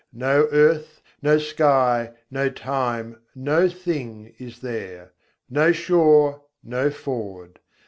No earth, no sky, no time, no thing, is there: no shore, no ford!